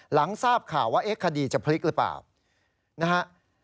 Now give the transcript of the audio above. หลังทราบข่าวว่าเอ๊ะคดีจะพลิกหรือเปล่านะฮะ